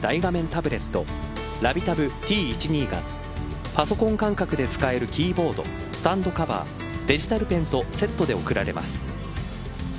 タブレットＬＡＶＩＥＴａｂＴ１２がパソコン感覚で使えるキーボードスタンドカバー、デジタルペンとセットで贈られます。